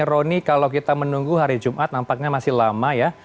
roni kalau kita menunggu hari jumat nampaknya masih lama ya